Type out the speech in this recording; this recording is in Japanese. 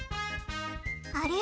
あれ？